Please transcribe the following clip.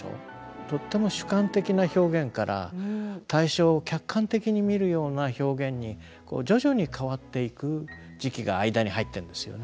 とっても主観的な表現から対象を客観的に見るような表現に徐々に変わっていく時期が間に入ってるんですよね。